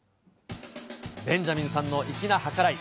ベンジャミンさんの粋な計らい。